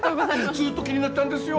ずっと気になってだんですよ。